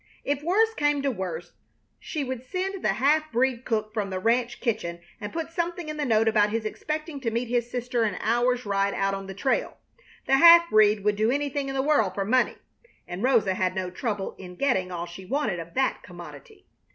If worst came to worst she would send the half breed cook from the ranch kitchen and put something in the note about his expecting to meet his sister an hour's ride out on the trail. The half breed would do anything in the world for money, and Rosa had no trouble in getting all she wanted of that commodity.